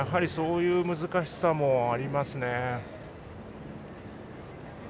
そういう難しさもありますね。